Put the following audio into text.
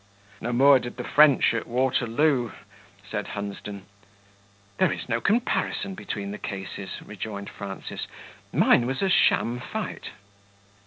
"No more did the French at Waterloo," said Hunsden. "There is no comparison between the cases," rejoined Frances; "mine was a sham fight."